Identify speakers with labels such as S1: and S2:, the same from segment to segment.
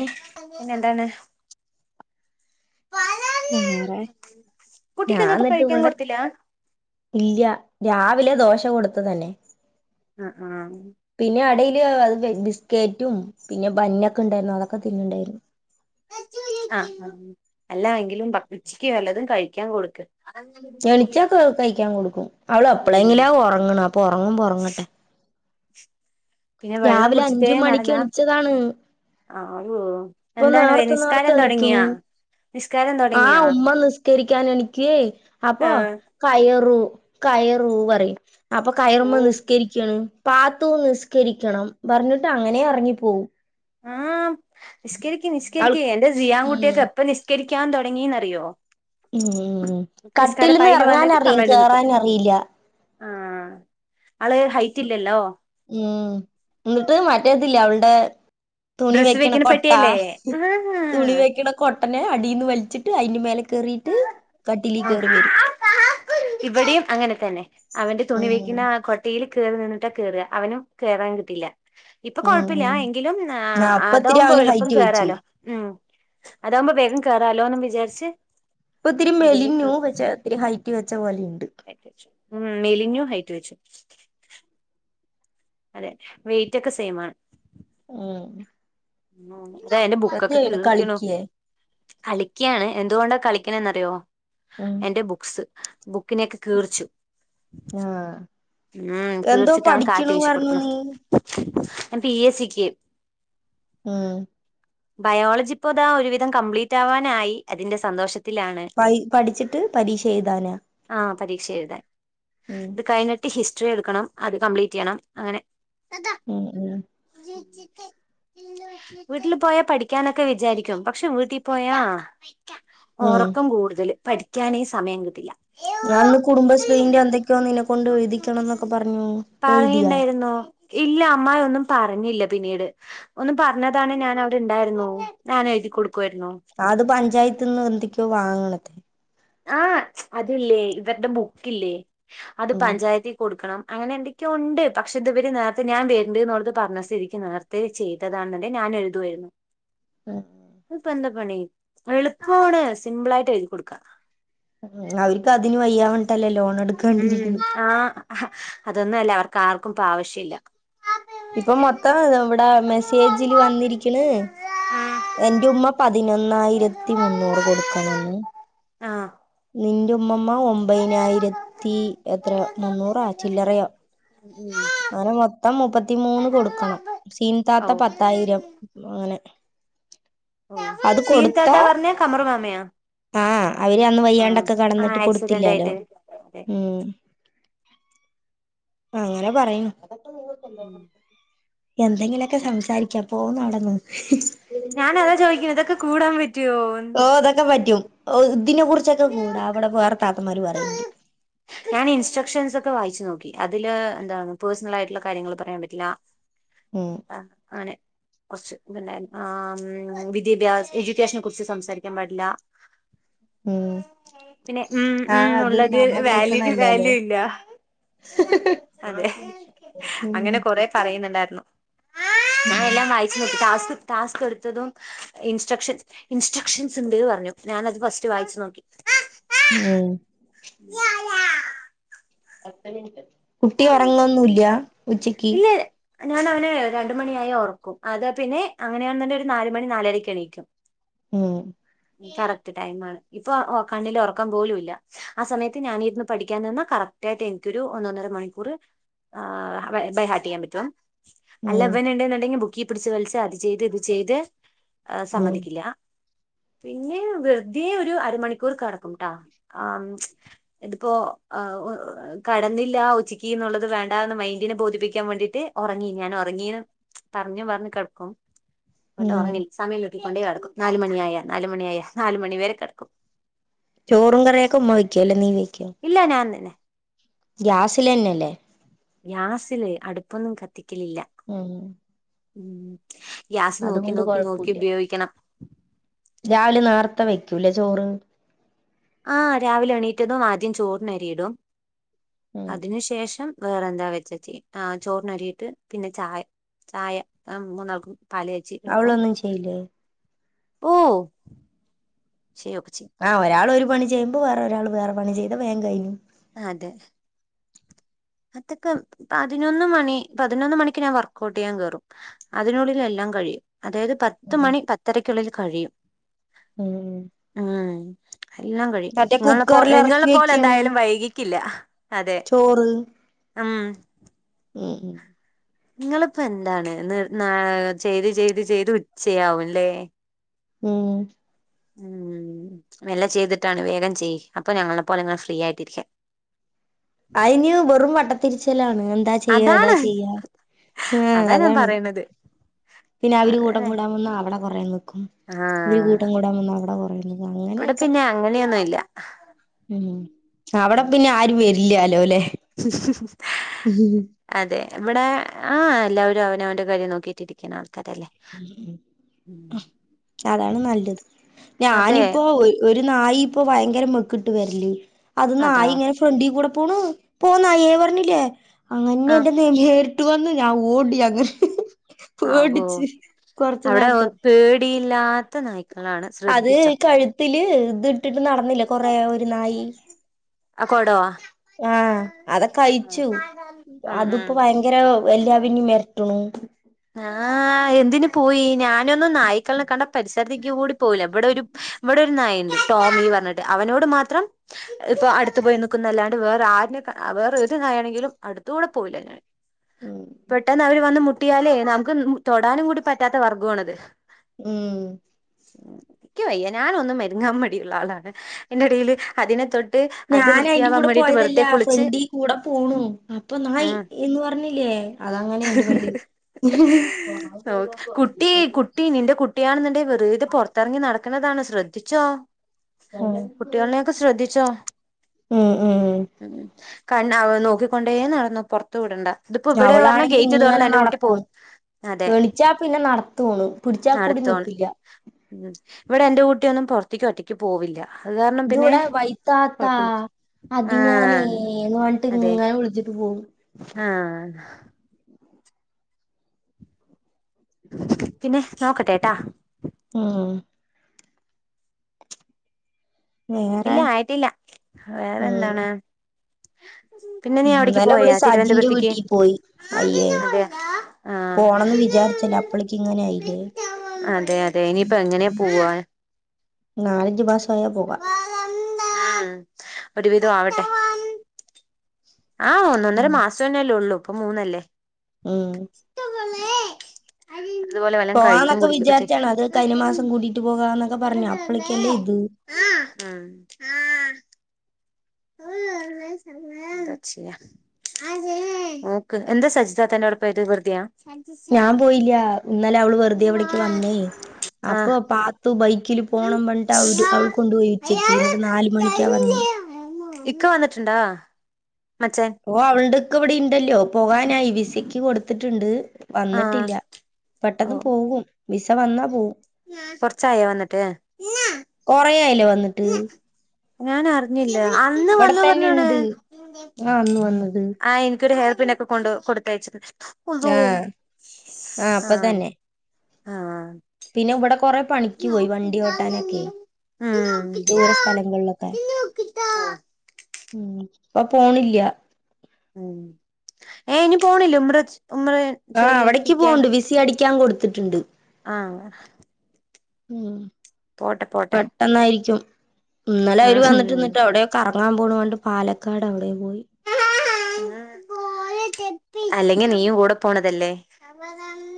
S1: ഏ
S2: പിന്നെന്താണ്
S1: വേറെ
S2: കുട്ടിക്കൊന്നും ഇപ്പൊ
S1: ഞാന്നട്ട്
S2: കഴിക്കാൻ
S1: വടെ
S2: കൊടുത്തില്ല ആ
S1: ഇല്ല്യ രാവിലെ ദോശ കൊടുത്തതന്നെ
S2: അ ആ
S1: പിന്നടീല് ബിസ്ക്കേറ്റും പിന്നെ ബന്നൊക്കണ്ടാര്ന്നു അതക്കെ തിന്ന്ണ്ടെര്ന്നു
S2: ആ അല്ലാ എങ്കിലും [unintelligible] ച്ചിക്ക് ല്ലതും കയ്ക്കാൻ കൊട്ക്ക്
S1: ഞ്ഞെളിച്ചൊക്കെ കയ്ക്കാകൊടുക്കും
S2: ഉം
S1: അവള്പ്പളെങ്ങിലാ ഒറങ്ങണ് പ്പൊ ഒറങ്ങുമ്പോറങ്ങട്ടെ
S2: പിന്നെ വെള്ളങ്കുടിച്ചട്ടെ
S1: അഞ്ച് മണിക്ക്
S2: നടന്നാ
S1: എണിച്ചതാണ്
S2: ആ
S1: ഇപ്പൊ
S2: എന്താണ് വെ
S1: നേർത്തെ നേർത്തെ എണിക്കണു
S2: നിസ്കാരതൊടങ്ങിയാ
S1: ആ ഉമ്മ നിസ്കരിക്കാണെനിക്കെയ് അപ്പൊ
S2: ആ
S1: കയറു കയറൂ പറീം അപ്പൊ
S2: ഓ
S1: കയറുമ്മ നിസ്കരിക്കാണ് പാത്തുന്നിസ്കരിക്കണം ബർഞ്ഞിട്ടങ്ങനെ എർങ്ങിപ്പോവും
S2: ആം
S1: അവൾ
S2: നിസ്കരിക്കിനിസ്കരിക്കി അന്റെ
S1: ഉം
S2: സിയാൻകുട്ട്യോക്കെ എപ്പനിസ്കരി ക്കാൻ തൊടങ്ങീന്നറിയോ
S1: ഉം ഉം കട്ടിലിന്ന്
S2: വന്നിട്ട്
S1: എറങ്ങാനറീം
S2: കമഴ്ന്ന് നിക്കും
S1: കേറാനറീല്ല
S2: ആ അള് ഹൈറ്റില്ലല്ലോ
S1: ഉം ന്നട്ട് മറ്റതില്ലേ വൾടെ തുണി
S2: ഡ്രസ്സ്
S1: വെക്കണ കൊട്ടാ
S2: പെട്ടിയല്ലേ ആ
S1: തുണി വെക്കണ കൊട്ടനെ അടീന്ന് വൽ ച്ചിട്ട് അയ്ന് മേലെ കേറീട്ട് കട്ടിലീ കേറി വരും
S2: ഇവിടേം അങ്ങനതന്നെ അവന്റ തുണി
S1: ഉം
S2: വെക്കണാ കൊട്ടീല് കേറി നിന്നിട്ടാ കേറ അവനും കേറാൻ കിട്ടില്ല ഇപ്പൊ കൊഴപ്പില്ലാ
S1: ഉം
S2: ങ്കിലും മ്മ്ഹ്
S1: ആ അപ്പ ഇത്തിരി അവന്
S2: അതാവുമ്പള്പ്പം
S1: ഹൈറ്റ് വെച്ചു
S2: കേറാലോ ഉം അതാവുമ്പോ വേഗം കേറാലോന്നും ബിചാര്ച്ച്
S1: പ്പത്തിരി മേലിഞ്ഞൂ പച്ചേ ത്തിരി ഹൈറ്റ് വെച്ചപോലി
S2: [unintelligible] ഉം മെലിഞ്ഞു ഹൈറ്റ് വച്ചു അതെ വെയ്റ്റൊക്കെ സെയ്‌മാണ്
S1: ഉം
S2: ന്തായാലും ബുക്കൊക്കെ
S1: ശ്രദ്ധയാണ്
S2: കീറിക്കുണു
S1: കളിക്കേ
S2: കളിക്കാണ് എന്തോണ്ടാ കളിക്കണെന്ന്റിയോ
S1: ഉം
S2: എന്റെ ബുക്സ് ബുക്കിനെക്കെ കീറിച്ചു
S1: ആഹ്
S2: ഉം
S1: എന്തോ
S2: കീറിച്ചിട്ടവൻ കാറ്റ്
S1: പഠിക്കണു
S2: വീശി
S1: പറഞ്ഞു
S2: കൊടുക്കുണു
S1: നീ
S2: ഞ പി എസിക്ക്
S1: ഉം
S2: ബയോളജിപ്പതാ ഒരുവിധം കംപ്ലീറ്റാവാനായി അതിന്റെ സന്തോഷ ത്തിലാണ്
S1: പ പഠിച്ചിട്ട് പരീക്ഷ എഴുതാനാ
S2: ആ പരീക്ഷേയ്താൻ
S1: ഉം
S2: ത് കഴ്ഞ്ഞിട്ട് ഹിസ്ട്രി എട്ക്കണം അത് കംപ്ലീറ്റിയ്യണം അങ്ങനെ
S1: ഉം ഉം
S2: വീട്ടില് പോയാ പഠിക്കാനൊക്കെ വിചാരിക്കും പക്ഷെ വീട്ടി പോയാ
S1: ഉം
S2: ഒറക്കം കൂടുതല് പഠിക്കാനേ സമയങ്കിട്ടില്ല
S1: [unintelligible] കുടുംബശ്രീന്റെന്തൊക്യോ നിന്നെക്കൊണ്ട് എഴുതിക്കണംന്നൊക്കെ പറഞ് എഴ്തിയ
S2: ഓ ഇല്ല അമ്മായൊന്നും പറ പിന്നീട് ഒന്ന് പറഞ്ഞതാണെ ഞാനവിടെണ്ടാര്ന്നു ഞാനെഴുതി കൊടു
S1: അത് പഞ്ചായത്തിന്നെന്തിക്കോ വാങ്ങണത്രെ
S2: ആ അതില്ല്യെ ഇവര്ടെ ബുക്കില്ലേ അത്
S1: ഉം
S2: പഞ്ചായത്തി കൊടുക്കണം അങ്ങനെ എന്തൊക്കെയ ഉണ്ട് പക്ഷെ അങ്ങനെന്തിക്കോണ്ട് പക്ഷെതുവര് നേർത്തെ ഞാ വേര്ണ്ട്ന്നോളട്ത് പറഞ്ഞ സ്ഥിതിക്ക് നേർത്തെ ചെയ്തതണെ ഞാനെഴുതുവായ്ര്ന്നു ത്പ്പെന്താ പണി എളുപ്പോവാണ് സിംമ്പളായിട്ടെഴ്തി കൊടുക്ക
S1: ഉം അവരിക്കതിന് വയ്യ
S2: ഉം ആ അതൊന്നുഅല്ല അവർക്കാർക്കുപ്പാവശ്യല്ല
S1: ഇപ്പൊ മൊത്തം ഇവിടെ എന്റയുമ്മ പതിനൊന്നായിരത്തി മുന്നൂറ് കൊടുക്കണംന്ന്
S2: ആഹ
S1: നിന്റെ ഉമ്മുമ്മ ഒമ്പതിനായിരത്തി എത്രയോ മുന്നൂറാ ചില്ലറയോ? അങ്ങനെ മൊത്തം മുപ്പത്തിമൂന്ന് കൊടുക്കണം
S2: ഓ
S1: സീൻത്താത്ത
S2: ഓ
S1: പത്തായിരം അങ്ങനെ
S2: ഒ
S1: അത്
S2: സീൻതാത്ത
S1: കൊടുത്താ
S2: പറഞ്ഞാ കമർമമായ
S1: ആഹ് അവര് അന്ന് വയ്യാണ്ടൊക്കെ കടന്നിട്ട്
S2: ആക്സിഡന്റ്
S1: കൊടുത്തില്ലാലോ
S2: ആയിട്ട് അതെ
S1: ഉം അങ്ങനെ പറയുന്നു.
S2: ഉം
S1: എന്തെങ്കിലൊക്കെ സംസാരിക്കാം പോ നടന്ന്
S2: ഞാൻഅതാ ചോദിക്കുന്നത് ഇതൊക്കെ കൂടാൻ പറ്റ
S1: ഓ ഇതൊക്കെ പറ്റും ഒ ഇതിനെ കുറിച്ചൊക്കെ കൂടാ അവിടെ വേറെ താത്തന്മാര് പറയണ്ട്.
S2: ഞാൻ ഇൻസ്ട്രക്ഷൻസ് ഒക്കെ വായിച്ചു നോക്കി അതില് എന്താണ് പേഴ്സണൽ ആയിട്ടുള്ള കാര്യങ്ങള് പറയാൻ പറ്റില്ല.
S1: ഉം
S2: ആ ആണ് കുറച്ച് പിന്നെ ആ വിദ്യാഭ്യാസഎഡ്യൂക്കേഷനെ കുറിച്ച് സംസാരിക്കാൻ പാടില്ല.
S1: ഉം
S2: പിന്നെ ഉം ഉം
S1: ആഹ് അത്
S2: ഉള്ളത്
S1: നമ്മ
S2: വാല്യൂ
S1: കേൾക്കണല്ലാലോ
S2: വാല്യൂ ഇല്ല അതെ
S1: ഉം
S2: അങ്ങനെ കൊറെ പറയുന്നുണ്ടായിരുന്നു. ഞാൻ എല്ലാം വായിച്ച് നോ ടാസ്ക് ടാസ്ക് എടുത്തതും ഇൻസ്ട്രക്ഷൻ ഇൻസ്ട്രക്ഷൻസ് ഉണ്ട് പറഞ്ഞു ഞാനത് ഫസ്റ്റ് വായിച്ച്. നോക്കി.
S1: ഉം
S2: എ എ
S1: പത്ത് മിനുട്ട് കുട്ടി ഉറങ്ങൊന്നുംഇല്ലാ ഉച്ചക്ക്
S2: ഇല്ല ഞാൻ അവനെ രണ്ട് മണിയായാൽ ഉറക്കും അത് പിന്നെ അങ്ങനെയാണന്ന് ഒരു നാല് മണി നാലരക്ക് എണീക്കും
S1: ഉം.
S2: കറക്റ്റ് ടൈമാണ് ഇപ്പൊ ഒ കണ്ണിൽ ഉറക്കം പോലുംല്ല ആ സമയത്ത് ഞാനിരുന്ന് പഠിക്കാൻ നിന്നാൽ കറക്റ്റ് ക്ക്റ്റാട്ട് എനിക്ക് ഒരു ഒന്ന് ഒന്നര മണി കൂർ ബൈഹാർട്ട് ചെയ്യാൻ പറ്റും അല്ല
S1: ഉം
S2: ഇവൻ ഉണ്ടെന്നുണ്ടെങ്കിൽ ബു ക്കിൽ പിടിച്ചു വലിച്ച് അത് ചെയ്ത് ഇത് ചെയ്ത്
S1: ഉം
S2: സമ്മതിക്കില്ല. പിന്നെ വെറുതെ ഒരു അരമണിക്കൂർ കടക്കുംട്ടാ ആ ഇതിപ്പോ ആ ഒ കെടന്നില്ല ഉച്ച ക്ക് എന്നുള്ളത് വേണ്ടുന്ന മൈന്ഡിനെ ബോധിപ്പിക്കാൻ വേണ്ടിട്ട് ഉറങ്ങി ഞാൻ ഉറങ്ങീന്ന് പറഞ്ഞു പറഞ്ഞു കിടക്കും. ഇട്ട്
S1: ഉം
S2: ഉറങ്ങിൽ സമയം ഉള്ളോൽക് പട്ടേ കിടക്കും നാല് മണി ആായ നാലുമണി ആയാ നാലുമണി വരെ കിടക്കും.
S1: ചോറും കറിയൊക്കെ ഉമ്മ വയ്ക്കുവല്ലേ നീ നീ
S2: ഇല്ല ഞാൻ തന്നെ.
S1: ഗ്യാസില് തന്നെല്ലേ?
S2: ഗ്യാസില് അടുപ്പൊന്നും കത്തിക്കലില്ല
S1: ഉം
S2: ഉം ഗ്യാസ് നോക്കി
S1: അതുകൊണ്ട്
S2: നോക്കി നോക്കി
S1: കൊഴപ്പുല്ല
S2: ഉപയോഗിക്കണം.
S1: രാവിലെ നോർത്ത വയ്ക്കൂലേ ചോറ്.
S2: ആ രാവിലെ എണീറ്റതും ആദ്യം ചോറിൻ അറിയിടും
S1: ഉം
S2: അതിനു ശേഷം വേറെ എന്താ വെച്ചച്ച് ആ ചോറിൻ അ രിട്ട് പിന്നെ ചായ ചായ മൂന്നാൾക്കും പാല് കാച്ചി എടുക്കും
S1: അവളൊന്നും ചെയ്യില്ലേ?
S2: ഓ ചെയ്യൊക്കെ ചെയ്യും
S1: ആഹ ഒരാൾ ഒരു പണി ചെയ്യുമ്പോ വേറെ ഒരാൾ വേറെ പണി ചെയ്താ വേം കഴിഞ്ഞു.
S2: അതെ അതൊക്കെ പതിനൊന്ന് മണി പതിനൊന്ന് മണിക്ക് ഞാൻ വർക്ക്ഔട്ട് ചെയ്യാൻ കേറും അതിനുള്ളിൽ എല്ലാം കയും അതായത് പത്ത്
S1: ഉം
S2: മണി പത്തരക്കുള്ളിൽ കഴിയും.
S1: ഉം
S2: ഉം എല്ലാം കഴിയും
S1: മറ്റേ
S2: നിങ്ങളെപ്പോ
S1: കുക്കറിൽ ഇറക്കി
S2: നിങ്ങളെ പോലെ
S1: വെക്കാണ്
S2: എന്തായാലും വൈകിക്കില്ല അതെ
S1: ചോറ്
S2: ഉം
S1: ഉം ഉം
S2: നിങ്ങളിപ്പോ എന്താണ് ന്ന് ന്ന് ചെയ്ത് ചെയ്ത് ചെയ്ത് ഉച്ചയാവുംല്ലേ
S1: ഉം
S2: ഉം വല്ല ചെയ്തിട്ടാണ് വേഗം ചെയ്യ് അപ്പൊ ഞങ്ങളെപ്പോലെ ഇങ്ങെനെ ഫ്രീ ആയിട്ടിരിക്ക
S1: അഴിന് വെറും വട്ടത്തിരിച്ചിലാണ് എന്താ ചെയ്യാ എതാ
S2: അതാണ്
S1: ചെയ്യാ ആഹ
S2: അതാ ഞാൻ
S1: അതാണ്
S2: പറയണത്
S1: പിന്നെ അവര് കൂട്ടം
S2: അതന്നെ
S1: കൂടാൻ വന്ന അവടെ കൊറേ നിക്കും ഇവര്
S2: ആഹ്
S1: കൂട്ടം കൂടാൻ വന്ന അവിടെ കൊറേ
S2: ഇവിടെ
S1: അങ്ങനെയൊക്കെ
S2: പിന്നെ അങ്ങനെയൊന്നുല്ല
S1: അവിടെ പിന്നെ ആരും വര ഇല്ല്യലൊ ലെ
S2: അതെ ഇവിടെ ആ എല്ലാവരും അവനവന്റെ കാര്യം നോക്കിയിട്ടിരിക്കണാണ് തല്ലേ [unintelligible]
S1: അതാണ് നല്ലത് ഞാനിപ്പോ ഒരു നായി ഇപ്പോ ഭയങ്കര മെക്കട്ട് വരല് അത്
S2: അതാ
S1: നായി ഇങ്ങനെ ഫ്രണ്ടി ക്കൂടെ ണ് പോ നായിയെ പറഞ്ഞില്ലേ
S2: ആഹ്
S1: അങ്ങനെന്റെ വിട്ട് വന്ന് ഞാൻ ഓടി അങ്ങനെ
S2: ആവോ
S1: പേടിച്ച് കൊറച്ചു
S2: അവിടെ
S1: നേരത്തെ
S2: പേടിയില്ലാത്ത നായി
S1: അത് കഴുത്തില് ഇത് ഇട്ടിട്ട് നടന്നില്ലേ കൊറെ ഒരു നായി
S2: ആ കൊടൊ
S1: അതൊക്കഴിച്ചു അതിപ്പോ
S2: ഉം
S1: ഭയങ്കര വല്യ പിന്ന വരട്ടണു
S2: ആ എന്തിന് ത്തേ കൂടി പോവുല്ല ഇവിടെ ഒരു ഇവിടെ ഒരു നാഴിണ്ട് ടോമി പറഞ്ഞിട്ട് അവനോട് മാത്രം ഇപ്പൊ അടുത്ത പോയിനിക്കുന്നല്ലാണ്ട് വേറെ ആ വേറെ ഒരു നായി ആണെങ്കിലും അടുത്തുകൂടെ പോവില്ല ഞാൻ
S1: ഉം
S2: പെട്ടെന്ന് അവര് വന്ന് മുട്ടിയാലേ നമുക്ക് തൊടാനും കൂടി പറ്റാത്ത വർഗം ആണത്
S1: ഉം
S2: ഇക്ക് വയ്യ ഞാൻ ഒന്നും മെരുങ്ങാൻ മടിയുള്ള ആളാണ് അയിന്റെ ഇടയില് അതിനെ തൊട്ട
S1: ഞാൻ അയിന്റെ കൂടെ പോയതല്ല ഫ്രണ്ടി കൂടെ പോണു അപ്പൊ
S2: ഉം
S1: നാഴിഎന്ന് പറഞ്ഞില്ലേ അതങ്ങനെ എന്റെ മേല്
S2: ഓ കുട്ടി കുട്ടി നിന്റെ കുട്ടിയണെന്ന വെറു ഇത് പൊറത്തിറങ്ങി നടക്ക താണ് ശ്രദ്ധിച്ചോ
S1: ഉം
S2: കുട്ടികളിനെ ഒക്കെ ശ്രദ്ധിച്ചോ
S1: ഉം ഉം
S2: കണ് നോക്കിക്കൊണ്ടേ നടന്നൊ. പുറത്തു വിടണ്ട ഇതിപ്പോ ഇവിടെ പറഞ്ഞ
S1: അവളാണെങ്കി
S2: ഗേറ്റ്
S1: ഇങ്ങനെ
S2: തുറന്ന എന്റെ കുട്ടി പോ
S1: നടക്കും
S2: അതെ
S1: എണിച്ചാ പിന്നെ നടത്തോണ് പിടിച്ചാ കൂടി
S2: നടത്താണ്
S1: നിക്കില്ല
S2: ഉം ഇവിടെ എന്റെ കൂട്ടി ഒന്നും പൊറത്തേക്ക്. ഒറ്റക്ക് പോവില്ല അത് കാരണം പിന്നെ
S1: ഇതിവിടെ വൈത്താത്താ
S2: കൊഴപ്പില്ല
S1: അത് ഞാനേ
S2: ആഹ
S1: എന്ന് പറഞ്ഞിട്ട്
S2: അതെ
S1: ഇങ്ങനെ വിളിച്ചിട്ട് പോകും
S2: ആഹ പിന്നെ നോക്കട്ടേ ട്ടാ
S1: ഉം
S2: ഇല്ല
S1: വേറെ
S2: ആയിട്ടില്ല വേറെ എന്താണ് പിന്നെ
S1: ഉ
S2: നീ അവിടേക്ക്
S1: ഇന്നലെ അവള്
S2: പോയാ
S1: സജിന്റെ
S2: തിരുവനന്തപുരത്തേക്ക്
S1: വീട്ടിൽ പോയി അയ്യേ
S2: അതെ ആഹ്
S1: പോണന്ന് വിചാരിച്ചല്ല അപ്പളേക്ക് ഇങ്ങനെയില്ലേ
S2: അതെ അതെ ഇനിയിപ്പോ എങ്ങനെയ പോവാൻ
S1: നാലഞ്ചു മാസായ പോ..
S2: ഒരുവിധം ആവട്ടെ ആഹ് ഒന്നൊന്നര മാസം തന്നെയല്ലേ ഉള്ളൂ ഇപ്പൊ മൂന്നല്ലേ
S1: ഉം
S2: അതുപോലെ വല്ലോം കഴിക്കും
S1: പോവാന്നൊക്കെ
S2: കുടിക്കൊക്കെ ചെയ്
S1: വിചാരിച്ചാണ് അത് കഴിഞ്ഞ മാസം കൂടിട്ട് പോകാന്നൊക്കെ പറഞ്ഞു അപ്പോഴേക്കല്ലേ ഇത്
S2: ആ ആ ഓ അക്ഷിയ [unintelligible] ഓ എന്താ സജിത താത്തന്റെ അവിടെ പോയത് വെറുതിയാ
S1: ഞാൻ പോയില്ല ഇന്നലെ അവള് വെറുതെ ഇവിടേക്ക് വന്നേ
S2: ആഹ്
S1: അപ്പൊ പാത്തു ബൈ ക്കില് പോണം വണ്ടിട്ട് അവര് അവൾ കൊണ്ടു പോയി ഉച്ചക്ക് എന്നിട്ട് നാല്. മണിക്കാ വന്നെ
S2: ഇക്ക വന്നിട്ടുണ്ടോ
S1: ഓ അവൾടെ ഇക്ക ഇവിടെ ഇണ്ടല്ലോ പോവാനായി വി സക്ക് കൊടുത്തിട്ടുണ്ട്
S2: ആഹ്
S1: വന്നിട്ടില്ല
S2: ഓ
S1: പെട്ടെന്ന് പോകും വിസ വന്നാ പോവും
S2: കൊറച്ചായോ വന്നിട്ട്
S1: കൊറേ ആയില്ലേ വന്നിട്ട്
S2: ഞാൻ അറിഞ്ഞില്ല അന്ന്
S1: ഇവിടെ
S2: വന്നു
S1: തന്നെ
S2: പർഞ്ഞ്ക്ണ്
S1: ഇണ്ട് ആ അന്ന് വന്നത്
S2: ആ ഇൻക്കൊരു ഹേയർപിന്ന് ഒക്കെ കൊണ്ട് കൊടുത്തയച്ചിട്ട്ണ്ട്
S1: ആ
S2: ഉള്ളോഹ്
S1: ആ അപ്പൊ
S2: ആഹ്
S1: തന്നെ
S2: ആഹ്
S1: പിന്നെ ഇവിടെ കൊറെ പണിക്ക് പോയി വണ്ടി ഒട്ടാനൊക്കെ
S2: ഉം
S1: ദൂര സ്ഥലങ്ങളിലൊക്കെ ഉം ഇപ്പൊ പോണില്ലാ
S2: ഉം ഏ ഇനി പോണില്ല [unintelligible]
S1: ആ അവിടെക്ക് യ് പോണുണ്ട് വിസി അടിക്കാൻ കൊടുത്തിട്ടുണ്ട്
S2: അങ്ങനെ
S1: ഹ്മ്മ് പെട്ടെന്നായിരിക്കും ഇന്നലെ അവര്
S2: ഉം
S1: വന്നിട്ട്ന്നിട്ട് അവിടെ കറങ്ങാൻ പോണണ്ട് പാലക്കാട് അവിടെ പോയി
S2: അല്ലെങ്കിൽ നീയും കൂടെ പോണതല്ലേ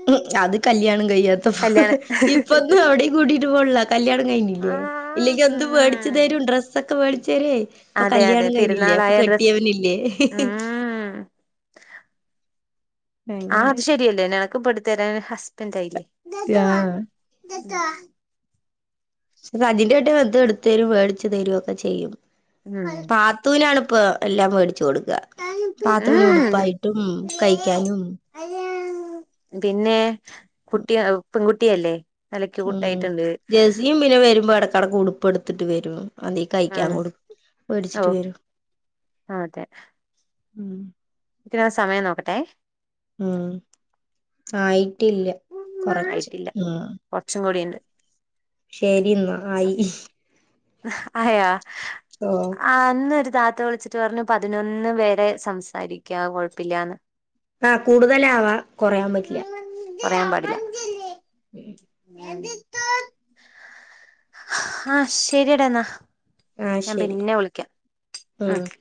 S1: ഉം അത് കല്യാണം കഴ്യാത്തൊപ്പൊ
S2: കല്യാണം
S1: ഇപ്പൊന്നും എവിടെയും കൂട്ടീട്ട് പോണില്ല കല്യാണം കഴിഞ്ഞില്ലേ ഇല്ലെങ്കി എന്തുംമേടിച്ചുതരും ഡ്രസ്സൊക്കെേമേടി ചെരി ഇപ്പൊ
S2: അതെ അതെ
S1: കല്യാണം കഴിഞ്ഞില്ലേ അപ്പൊ
S2: പെരുന്നാളായ ഡ്രസ്സ്
S1: കെട്ടിയോനില്ലേ ഹ്ഹ്ഹ്
S2: ഉം [inaudible] ആ
S1: അങ്ങനെ
S2: അത് ശരിയല്ലേ [unintelligible] [unintelligible] ഹസ്ബൻഡ് ആയില്ലേ
S1: ആഹ്
S2: ഉം
S1: [unintelligible] എന്ത് എടുത്ത്തരും വേടിച്ചു തരും ഒക്കെ ചെയ്യും പാത്തൂനാണ് ഇപ്പോ എല്ലാം മേടിച്ച് കൊടുക്കും പാത്തുവിന് ഉടുപ്പായിട്ടും കഴിക്കാനും
S2: പിന്നെ കുട്ടിയോ പെൺകുട്ടിയല്ലേ നല്ല
S1: ഉം
S2: ക്യൂട്ടായിട്ടുണ്ട്
S1: ജേഴ്സിയും പിന്നെ വരുമ്പോ എടക്കടക്ക് ഉടുപ്പ് എടുത്തിട്ട് വരും അതീ കഴിക്കാൻ
S2: ഉം
S1: കൊടുക്കും
S2: ഓ
S1: മേടിച്ചിട്ട് വരും
S2: അതെ
S1: ഉം
S2: [unintelligible] സമയം നോക്കട്ടെ
S1: ഉം ആയിട്ടില്ല കൊറച്ച്
S2: ആയിട്ടില്ല
S1: ഉം
S2: കുറച്ചും കൂടിയുണ്ട്
S1: ശരിന്നാ ആയി ഇഹ്
S2: അയാ- [inaudible] [unintelligible] താത്ത വിളിച്ചിട്ട് പറഞ്ഞ് പതിനൊന്ന് വരെ സംസാരിക്യാ കൊഴപ്പില്ലാന്ന്
S1: ആ കൂടുതലാവാ കൊറയാൻ പറ്റില്ല
S2: പറയാൻ പാടില്ല [unintelligible] ആ ശരിടാ എന്നാ
S1: ആ
S2: ഞാൻ
S1: ശരി
S2: പിന്നെ വിളിക്കാം
S1: ഉം
S2: ഹ്മ്മ്